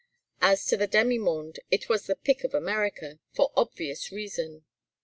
As to the demi monde it was the pick of America, for obvious reason.